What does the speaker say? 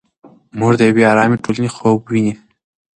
موږ د یوې ارامې ټولنې خوب ویني.